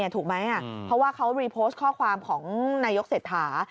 ถูกไหมอะเพราะว่านี่ข้อความของนายกเสถา